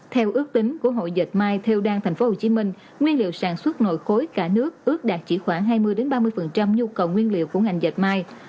theo ước tính của hội dịch may theo đan tp hcm nguyên liệu sản xuất nội khối cả nước ước đạt chỉ khoảng hai mươi ba mươi nhu cầu nguyên liệu của ngành dệt may